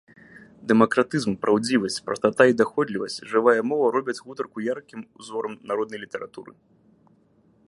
Дэмакратызм, праўдзівасць, прастата і даходлівасць, жывая мова робяць гутарку яркім узорам народнай літаратуры.